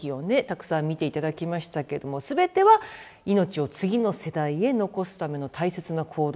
たくさん見ていただきましたけども全ては命を次の世代へ残すための大切な行動だということで。